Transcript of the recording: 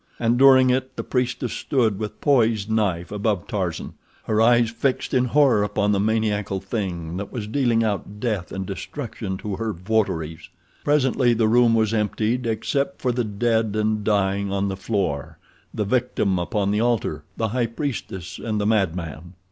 And during it the priestess stood with poised knife above Tarzan, her eyes fixed in horror upon the maniacal thing that was dealing out death and destruction to her votaries. Presently the room was emptied except for the dead and dying on the floor, the victim upon the altar, the high priestess, and the madman.